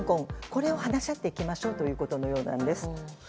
これを話し合っていきましょうということのようです。